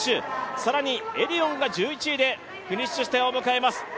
更にエディオンが１１位でフィニッシュ地点を迎えます。